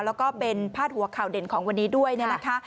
แล้วก็เป็นพาดหัวข่าวเด่นของวันนี้ด้วยเนี่ยนะคะ